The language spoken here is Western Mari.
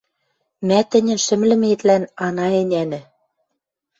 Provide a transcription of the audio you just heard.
— Мӓ тӹньӹн шӹмлӹметлӓн ана ӹнянӹ.